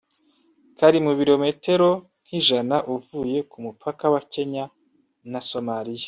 kari mu birometero nk’ijana uvuye ku mupaka wa Kenya na Somalia